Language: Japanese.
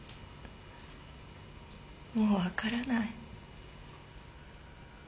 もう分からない。